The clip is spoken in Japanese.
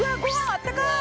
あったかい